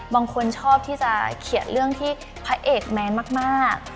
บางคนชอบที่จะเขียนเรื่องที่พระเอกแมนมาก